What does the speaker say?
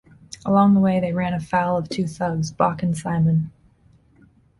Along the way, they run afoul of two thugs, Bock and Simon.